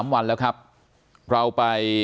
๓วันแล้วครับเราไป